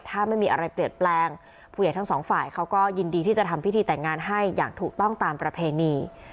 ถ้าไม่มีอะไรเปลี่ยนแปลงผู้ใหญ่ทั้งสองฝ่ายเขาก็ยินดีที่จะทำพิธีแต่งงานให้อย่างถูกต้องตามประเพณี